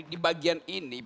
di bagian ini